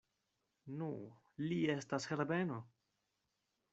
Nu, li estas Herbeno!